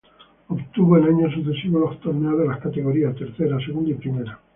Obtuvo en años sucesivos los torneos de las categorías tercera, segunda y primera.